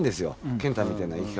賢太みたいな生き方。